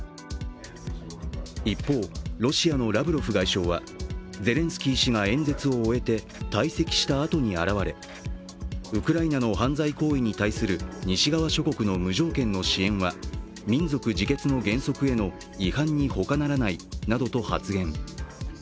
一方、ロシアのラブロフ外相はゼレンスキー氏が演説を終えて退席したあとに現れ、ウクライナの犯罪行為に対する西側諸国の無条件の支援は、民族自決の原則への違反にほかならないなどと発言。